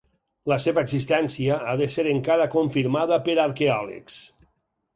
La seva existència ha de ser encara confirmada per arqueòlegs.